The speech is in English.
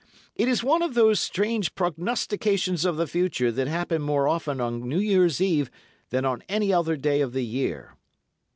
"It is one of those strange prognostications of the future that happen more often on New Year's Eve than on any other day of the year.